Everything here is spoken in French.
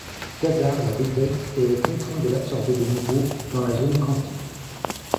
Quasar la détecte et est contraint de l'absorber de nouveau dans la Zone Quantique.